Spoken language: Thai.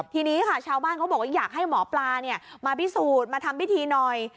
ทีนี้ค่ะชาวบ้านเขาบอกว่าอยากให้หมอปลามาพิสูจน์มาทำพิธีหน่อย